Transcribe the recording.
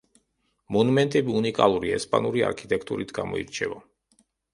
მონუმენტები უნიკალური, ესპანური არქიტექტურით გამოირჩევა.